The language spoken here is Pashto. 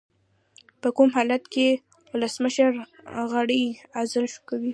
په کوم حالت کې ولسمشر غړی عزل کوي؟